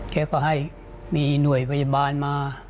แกก็ให้มีหน่วยพยาบาลมา